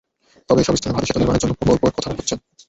তবে এসব স্থানে ভারী সেতু নির্মাণের জন্য একটি প্রকল্পের কথা হচ্ছে।